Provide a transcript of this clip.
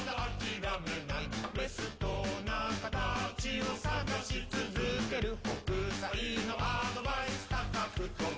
「ベストな形を探し続ける」「北斎のアドバイス：『高く飛べ！』」